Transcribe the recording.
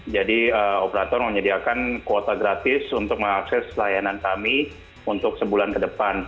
jadi operator menyediakan kuota gratis untuk mengakses layanan kami untuk sebulan ke depan